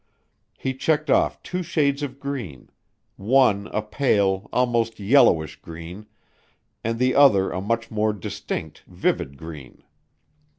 He checked off two shades of green; one a pale, almost yellowish green and the other a much more distinct vivid green.